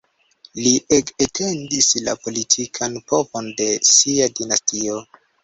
Li ege etendis la politikan povon de sia dinastio.